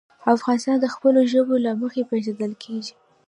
افغانستان د خپلو ژبو له مخې پېژندل کېږي.